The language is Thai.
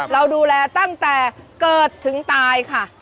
เราดูแลตั้งแต่เกิดถึงตายค่ะ